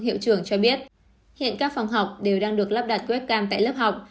hiệu trưởng cho biết hiện các phòng học